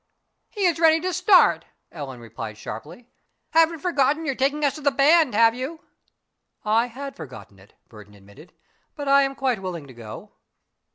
"He is ready to start," Ellen replied sharply. "Haven't forgotten you're taking us to the band, have you?" "I had forgotten it," Burton admitted, "but I am quite willing to go."